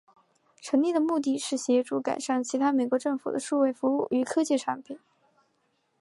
成立目的是协助改善其他美国政府的数位服务与科技产品。